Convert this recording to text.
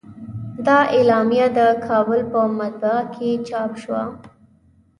دا اعلامیه د کابل په مطبعه کې چاپ شوه.